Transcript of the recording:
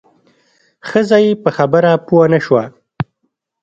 ښځه یې په خبره پوه نه شوه.